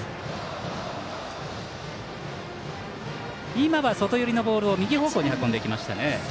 今は外寄りのボールを右方向に運んでいきましたね。